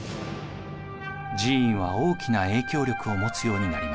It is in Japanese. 寺院は大きな影響力を持つようになります。